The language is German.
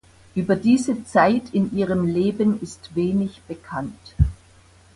Über diese Zeit in ihrem Leben ist wenig bekannt.